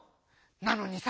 なのにさ